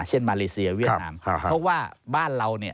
เช่นมาเลเซียเวียดนามเพราะว่าบ้านเรา